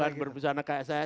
bukan berbusana kayak saya